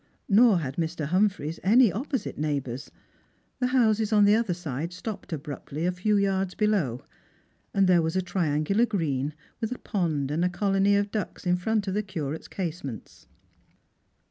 Nor had Mr. Humphreys any opposite neighbours ; the houses on the other side stopped abruptly a few yards below, and there was a triangular green, with a pond and a colony of ducks in front of the Curate's casements.